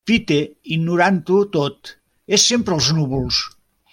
Pete, ignorant-ho tot, és sempre als núvols.